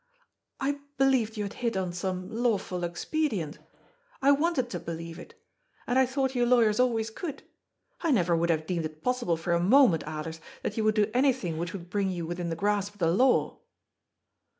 ^^I believed you had hit on some lawful expedient. J wanted to believe it. And I thought you lawyers always could. I never would have deemed it possible for a mo ment, Alers, that you would do anything which would bring* you within the grasp of the law."